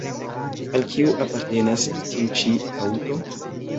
Al kiu apartenas tiu ĉi haŭto?